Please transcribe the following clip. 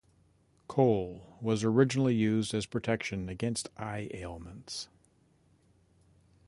Kohl was originally used as protection against eye ailments.